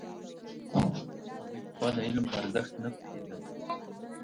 هغوی پخوا د علم په ارزښت نه پوهېدل.